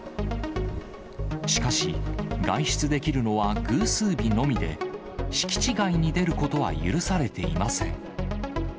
しかし、外出できるのは偶数日のみで、敷地外に出ることは許されていません。